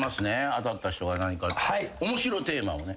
当たった人は何かおもしろテーマをね。